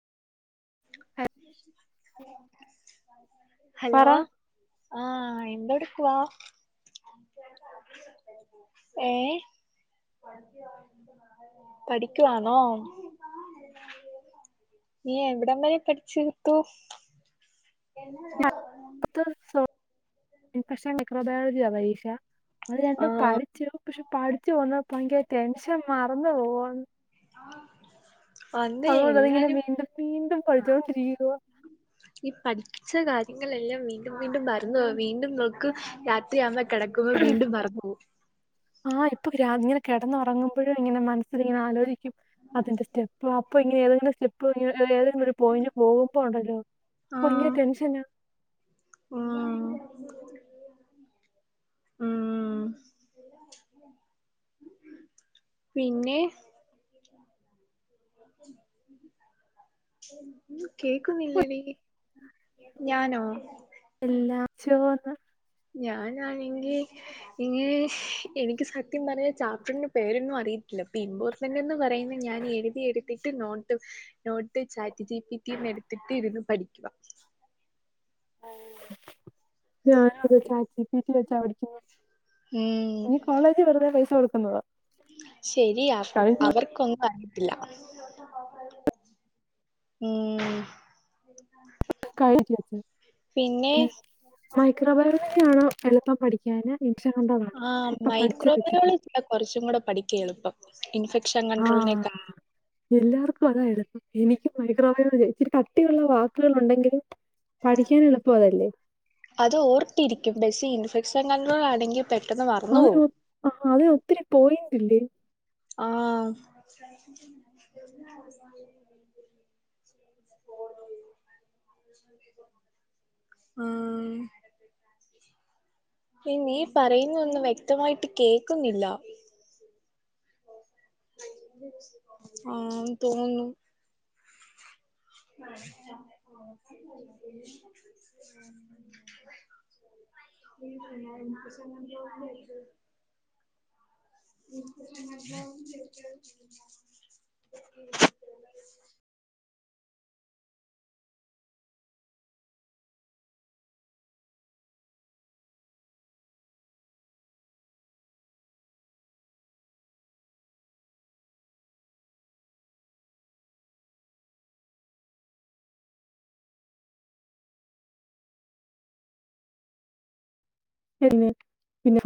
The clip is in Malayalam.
ഹലോ പറ ആഹ് എന്തെടുക്കുവാ? ഏഹ്. പഠിക്കുവാന്നോ? നീ എവിടം വരെ പട്ച്ചീർത്തു. [unintelligible] ഇൻഫെക്ഷൻ മൈക്രോബയോളജിയാ പരീക്ഷ. അഹ് രണ്ടും ആഹ് പഠിച്ചു പക്ഷെ പഠിച്ചു വന്ന ഭയ്ങ്കര ടെൻഷൻ മറന്ന് പോവോന്ന്. അന്ന് അതോണ്ട് അതിങ്ങനെ എല്ലാരും വീണ്ടും വീണ്ടും പഠിച്ചോണ്ടിരിക്കുവാ. ഈ പഠിച്ച കാര്യങ്ങളെല്ലാം വീണ്ടും വീണ്ടും മറന്നോവും വീണ്ടും നോക്കും രാത്രിയാവുമ്പ. കെടക്കുമ്പോ വീണ്ടും മറന്ന് പോവും. ആഹ് ഇപ്പൊ രാ ഇങ്ങനെ കെടന്നൊറങ്ങുമ്പഴും ഇങ്ങനെ മനസ്സിൽ ഇങ്ങനെ ആലോജിക്കും അതിന്റെ സ്റ്റെപ്പും ആ. അപ്പൊ ഇങ്ങനെ ഏതെങ്കിലും സ്റ്റെപ്പ് ഇങ്ങ എ ഏതെങ്കിലും ഒരു പോയിന്റ് പോകുമ്പോ ണ്ടല്ലോ അപ്പൊ ഭയ്ങ്കര ആഹ് ടെൻഷനാ. ഉം ഉം. പിന്നെ. [inaudible] കേക്കുന്നില്ലടീ ഞാനോ? എല്ലാ ചോർന്ന്. ഞാനാണെങ്കിൽ. ഇന് ഹ് എനിക്ക് സത്യം പറ്ഞ്ഞ ചാപ്റ്റർന്റെ പേരൊന്നും അറിയത്തില്ല [unintelligible] നന്നന്ന് പറയുന്ന ഞാൻ എഴ്‌തി എട്ത്തിട്ട് നോട്ട് ഹ്. Note chat G P T യും എട്ത്തിട്ട് ഇരുന്ന് പഠിക്കുക. ഞാനും അതെ ചാറ്റ് ജി പി ടി വെച്ചാ പഠിക്കുന്നെ. ഹ്മ്. കോളേജി വെറുതെ പൈസ കൊട്ക്കുന്നതാ. ശെരിയാകും അവർക്കൊന്നും അറ ഇല്ല ഹ്മ്. [inaudible] [unintelligible] പിന്നെ മൈക്രോബയോളജി ആണോ എളുപ്പം പഠിക്കാന്. ഇൻസ്റ്റാഗ്രാമിലാണോ ആഹ് ഇപ്പൊ പഠിച്ച് മൈക്രോ ബയോ വെച്ചിട്ട്? കൊർച്ചും കൂടെ പഠിക്കായെളുപ്പം ഇൻഫെക്ഷൻ കണ്ട്രോളിനെക്ക. എല്ലാർക്കും അതാ എളുപ്പം എനിക്കും മൈക്രോവയോളജ്യാ ഇച്ചിരി കട്ടിയുള്ള വാക്കുകളുണ്ടെങ്കിലും. പഠിക്കാൻ എളുപ്പം അതല്ലേ? അത് ഓർത്തിരിക്കും പക്ഷെ ഇൻഫെക്ഷൻകൺട്രോളാണെങ്കി. പെട്ടെന്ന് വ. അഹ് നോ അ അത് ഒത്തിരി പോയിന്റ്ല്ലേ? ആഹ്. ആഹ്. ഹേ നീ പറയുന്നഒന്നും വ്യക്തമായിട്ട് കേക്കുന്നില്ല. ആഹ് തോന്ന് ന്നു [inaudible] [unintelligible] [inaudible] പിന്നെ.